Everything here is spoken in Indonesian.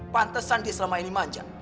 pantesan dia selama ini manjang